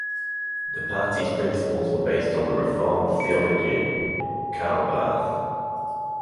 The parties principals were based on the reformed theologian Karl Barth.